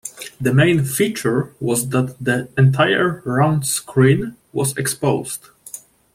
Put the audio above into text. The main feature was that the entire round screen was exposed.